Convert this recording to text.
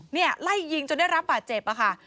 เนี่ยไล่ยิงจนได้รับป่าเจ็บอ่ะค่ะ